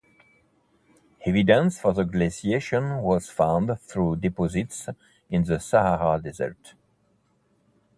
Evidence for the glaciation was found through deposits in the Sahara Desert.